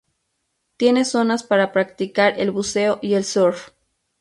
Tiene zonas para practicar el buceo y el surf.